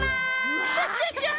クシャシャシャ！